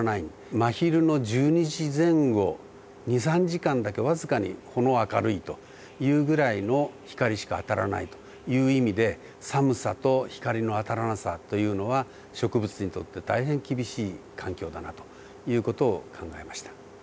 真昼の１２時前後２３時間だけ僅かにほの明るいというぐらいの光しか当たらないという意味で寒さと光の当たらなさというのは植物にとって大変厳しい環境だなという事を考えました。